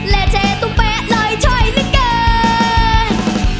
เล่เธอต้องเป๊ะเลยช่วยนะเกิน